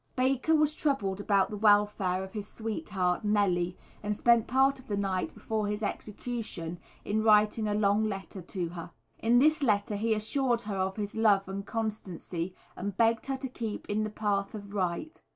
Baker was troubled about the welfare of his sweetheart, Nellie, and spent part of the night before his execution in writing a long letter to her. In this letter he assured her of his love and constancy, and begged her to keep in the path of right.